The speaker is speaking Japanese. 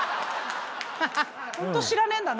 ホント知らねえんだな。